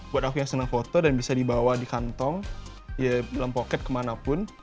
buat aku yang senang foto dan bisa dibawa di kantong ya dalam pocket kemanapun